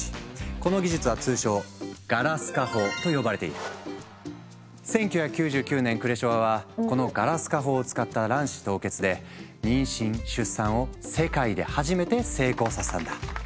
この技術は通称１９９９年クレショワはこのガラス化法を使った卵子凍結で妊娠出産を世界で初めて成功させたんだ。